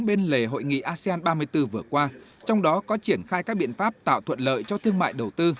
bên lề hội nghị asean ba mươi bốn vừa qua trong đó có triển khai các biện pháp tạo thuận lợi cho thương mại đầu tư